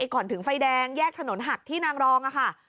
ก่อนถึงไฟแดงแยกถนนหักที่นางรองค่ะ